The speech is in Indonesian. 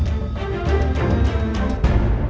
kita harus berhenti